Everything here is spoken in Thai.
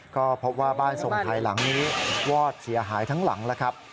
ก็พบว่าบ้านทรงไทยหลังนี้วอดเสียหายทั้งหลังแล้วครับ